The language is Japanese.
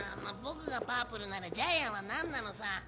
まあボクがパープルならジャイアンはなんなのさ？